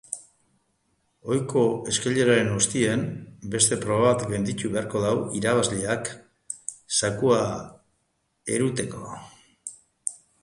Ohiko eskaileraren ostean, beste proba bat gainditu beharko du irabazleak zakua eramateko.